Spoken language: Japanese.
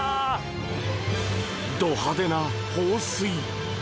ど派手な放水。